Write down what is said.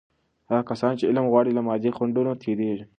هغه کسان چې علم غواړي، له مادي خنډونو تیریږي.